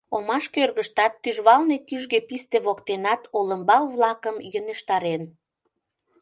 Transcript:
Омаш кӧргыштат, тӱжвалне кӱжгӧ писте воктенат олымбал-влакым йӧнештарен.